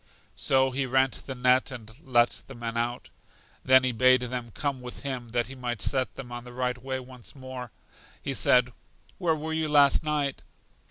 So he rent the net and let the men out. Then he bade them come with him, that he might set them on the right way once more. He said: Where were you last night?